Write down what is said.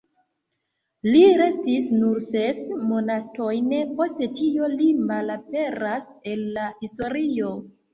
Li restis nur ses monatojn; post tio li malaperas el la historio.